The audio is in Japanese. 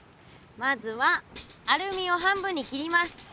まずはアルミを半分に切ります。